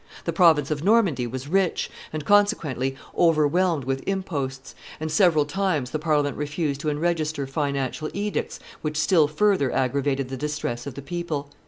The province of Normandy was rich, and, consequently, overwhelmed with imposts; and several times the Parliament refused to enregister financial edicts which still further aggravated the distress of the people.